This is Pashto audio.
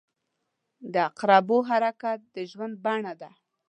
• د عقربو حرکت د ژوند بڼه ده.